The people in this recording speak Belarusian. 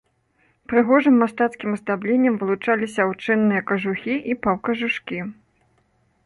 Прыгожым мастацкім аздабленнем вылучаліся аўчынныя кажухі і паўкажушкі.